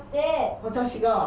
私が？